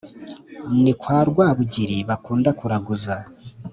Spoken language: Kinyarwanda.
ni kwa rwabugiri bakunda kuraguza